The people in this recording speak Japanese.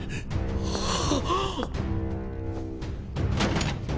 ああ。